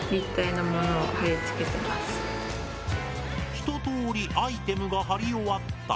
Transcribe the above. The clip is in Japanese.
ひととおりアイテムが貼り終わったら。